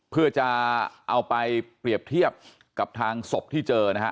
เพื่อจะเอาไปเปรียบเทียบกับทางศพที่เจอนะฮะ